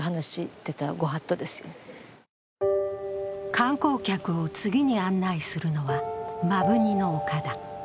観光客を次に案内するのは摩文仁の丘だ。